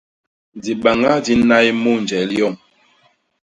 Dibaña di nnay mu njel yoñ!